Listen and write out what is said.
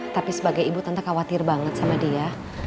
tapi sebagai ibu tentu khawatir banget sama dia